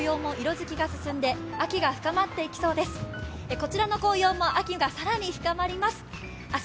こちらの紅葉も更に秋が深まります。